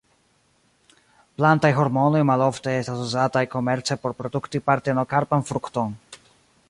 Plantaj hormonoj malofte estas uzataj komerce por produkti partenokarpan frukton.